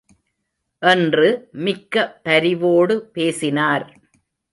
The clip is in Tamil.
என்று மிக்க பரிவோடு பேசினார்.